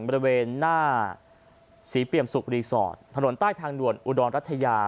บริเวณหน้าศรีเปี่ยมสุกรีสอร์ทถนนใต้ทางด่วนอุดรรัฐยา